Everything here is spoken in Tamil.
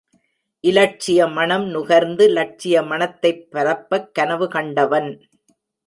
இலட்சிய மணம் நுகர்ந்து லட்சிய மணத்தைப் பரப்பக் கனவு கண்டவன்.